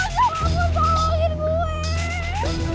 jangan bawa motornya dong